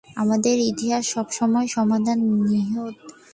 আমাদের ইতিহাসে সব সমস্যার সমাধান নিহিত।